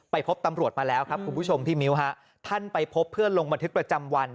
พบตำรวจมาแล้วครับคุณผู้ชมพี่มิ้วฮะท่านไปพบเพื่อลงบันทึกประจำวัน